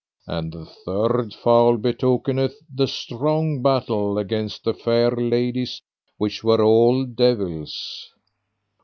And the third fowl betokeneth the strong battle against the fair ladies which were all devils.